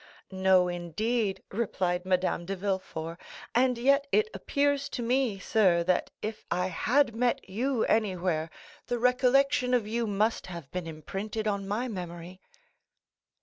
"No, indeed," replied Madame de Villefort; "and yet it appears to me, sir, that if I had met you anywhere, the recollection of you must have been imprinted on my memory."